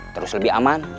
terus lebih aman